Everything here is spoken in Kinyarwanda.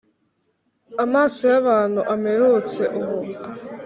amaso y'abantu amperutse ubu